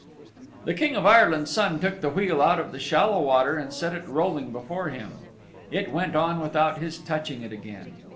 The King of Ireland's Son took the wheel out of the shallow water and set it rolling before him. It went on without his touching it again.